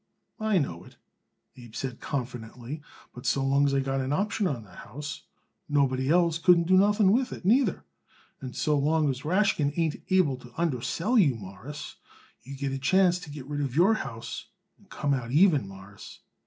"I know it," Abe said confidently, "but so long as I got an option on that house nobody else couldn't do nothing with it, neither. And so long as Rashkin ain't able to undersell you, Mawruss, you got a chance to get rid of your house and to come out even, Mawruss.